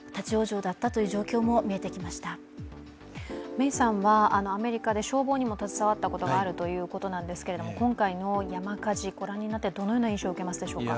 メイさんはアメリカで消防にも携わったことがあるということですけど今回の山火事、ご覧になってどのような印象を受けますでしょうか。